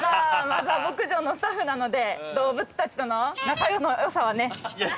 ◆マザー牧場のスタッフなので、動物たちとの仲のよさはね。